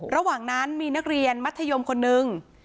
ระหว่างนั้นมีนักเรียนมัธยมคนนึง